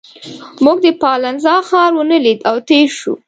موږ د پالنزا ښار ونه لید او تېر شوو.